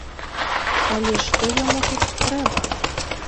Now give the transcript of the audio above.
Але што яму тут трэба?